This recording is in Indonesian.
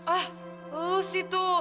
ah lu sih tuh